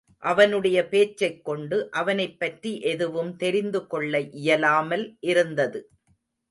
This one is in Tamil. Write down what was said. அவனுடைய பேச்சைக் கொண்டு, அவனைப் பற்றி எதுவும் தெரிந்து கொள்ள இயலாமல் இருந்தது.